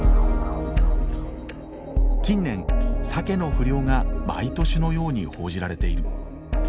近年サケの不漁が毎年のように報じられている。